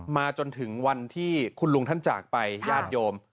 มาจนถึงวันที่คุณลุงท่านจากไปญาติโยม